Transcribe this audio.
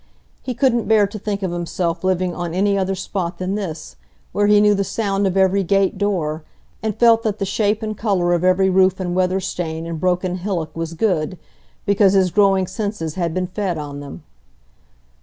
He couldn't bear to think of himself living on any other spot than this, where he knew the sound of every gate door, and felt that the shape and colour of every roof and weather stain and broken hillock was good, because his growing senses had been fed on them.